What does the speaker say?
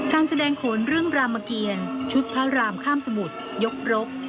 การแสดงโขนเรื่องรามเกียรชุดพระรามข้ามสมุทรยกรบ